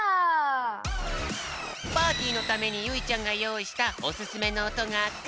パーティーのためにゆいちゃんがよういしたオススメのおとがこれだ！